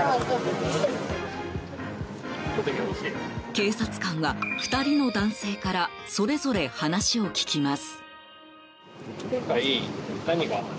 警察官は、２人の男性からそれぞれ話を聞きます。